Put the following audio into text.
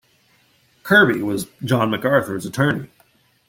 Kirby was John MacArthur's attorney.